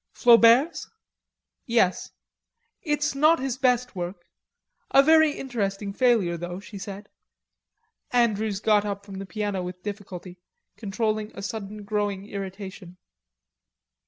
"Flaubert's?" "Yes." "It's not his best work. A very interesting failure though," she said. Andrews got up from the piano with difficulty, controlling a sudden growing irritation.